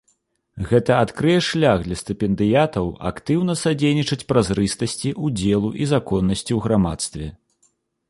Гэта адкрые шлях для стыпендыятаў актыўна садзейнічаць празрыстасці, удзелу і законнасці ў грамадстве.